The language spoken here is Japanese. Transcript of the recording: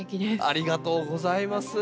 ありがとうございます。